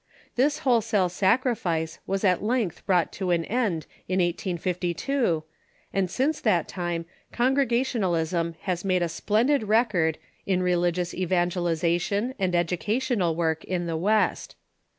This to the wholesale sacrifice was at length brought to an end res ytenans j^^ 1352, and since that time Congregationalism has made a splendid record in religious evangelization and educa tional work in the West.